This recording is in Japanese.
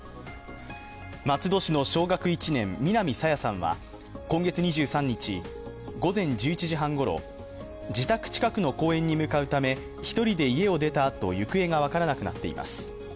松戸市の小学１年、南朝芽さんは今月２３日、午前１１時半ごろ自宅近くの公園に向かうため１人で家を出たあと行方が分からなくなっています。